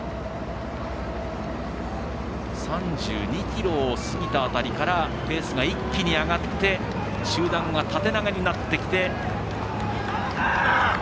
３２ｋｍを過ぎた辺りからペースが一気に上がって集団は縦長になった。